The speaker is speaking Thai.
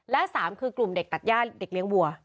และ๓คือกลุ่มเด็กตัดย่าเด็กเลี้ยงวัว